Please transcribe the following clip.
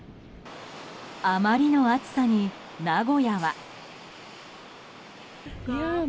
あまりの暑さに名古屋は。